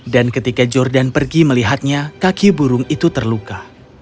dan ketika jordan pergi melihatnya kaki burung itu terluka